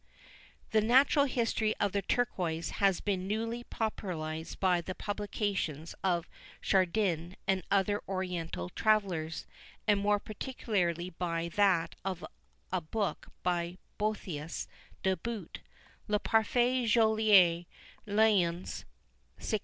The natural history of the turquoise had been newly popularized by the publications of Chardin and other Oriental travellers; and more particularly by that of a book by Boethius de Boot, Le Parfait Joallier; Lyons, 1644.